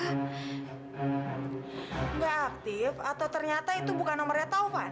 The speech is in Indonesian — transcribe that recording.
tidak aktif atau ternyata itu bukan nomornya taufan